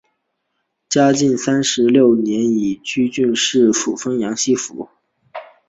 嘉靖三十六年以都御史巡抚凤阳四府。